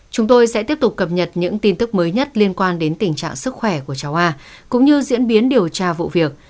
chúng tôi sẽ tiếp tục cập nhật những tin tức mới nhất liên quan đến tình trạng sức khỏe của cháu a cũng như diễn biến điều tra vụ việc